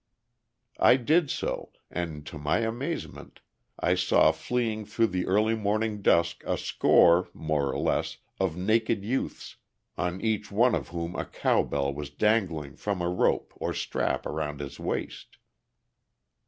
I did so, and to my amazement I saw fleeing through the early morning dusk a score (more or less) of naked youths, on each one of whom a cow bell was dangling from a rope or strap around his waist.